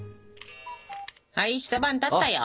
はい一晩たったよ。